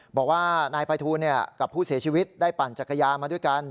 บอกว่านายภัยทูลกับผู้เสียชีวิตได้ปั่นจักรยานมาด้วยกัน